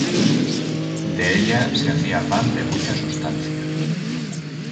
De ella, se hacía pan de mucha sustancia.